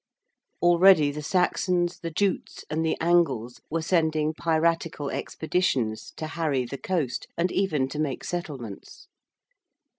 Already the Saxons, the Jutes and the Angles were sending piratical expeditions to harry the coast and even to make settlements.